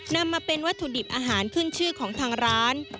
นำมาเป็นวัตถุดิบอาหารขึ้นชื่อของทางร้าน